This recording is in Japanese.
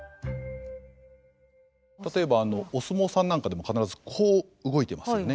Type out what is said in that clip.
例えばお相撲さんなんかでも必ずこう動いてますよね。